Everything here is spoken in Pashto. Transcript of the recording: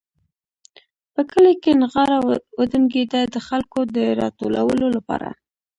په کلي کې نغاره وډنګېده د خلکو د راټولولو لپاره.